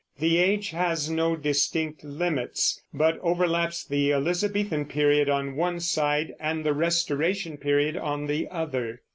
The age has no distinct limits, but overlaps the Elizabethan period on one side, and the Restoration period on the other.